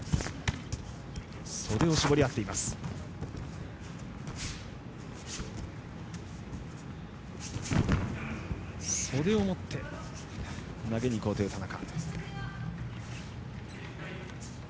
袖を持って投げにいこうという田中。